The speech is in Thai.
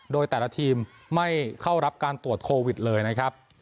โดยแต่ละทีมไม่เข้ารับการตรวจโควิดเลยนะครับ